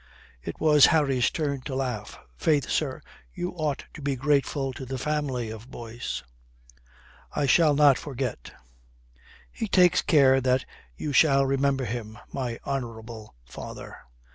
It was Harry's turn to laugh. "Faith, sir, you ought to be grateful to the family of Boyce." "I shall not forget." "He takes care that you shall remember him, my honourable father."